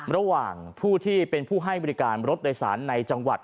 ระหว่างผู้ที่เป็นผู้ให้บริการรถโดยสารในจังหวัด